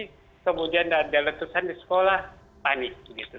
kemudian ada letusan di sekolah panik begitu